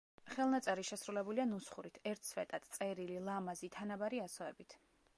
ხელნაწერი შესრულებულია ნუსხურით, ერთ სვეტად, წერილი, ლამაზი, თანაბარი ასოებით.